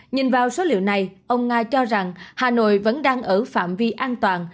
nhìn vào số liệu này ông nga cho rằng hà nội vẫn đang ở phạm vi an toàn